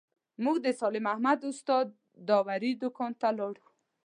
موږ د صالح محمد استاد داوري دوکان ته ولاړو.